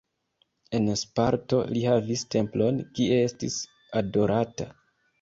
En Sparto li havis templon, kie estis adorata.